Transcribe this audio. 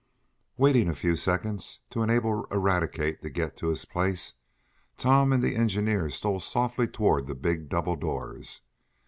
Waiting a few seconds, to enable Eradicate to get to his place, Tom and the engineer stole softly toward the big double doors.